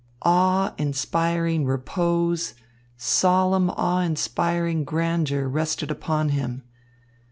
Awe inspiring repose, solemn, awe inspiring grandeur rested upon him.